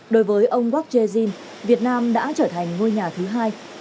đối với ông quoc che jin việt nam đã trở thành ngôi nhà thứ hai